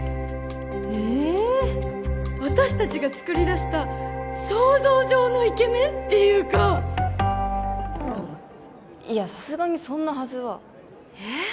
ええ私達がつくりだした想像上のイケメンっていうかいやさすがにそんなはずはえっ？